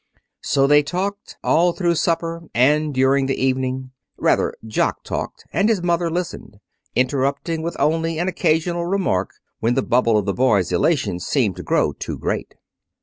So they talked, all through supper and during the evening. Rather, Jock talked and his mother listened, interrupting with only an occasional remark when the bubble of the boy's elation seemed to grow too great.